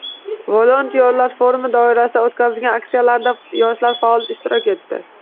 “Volontyorlar forumi” doirasida o‘tkazilgan aksiyalarda yoshlar faol ishtirok etdi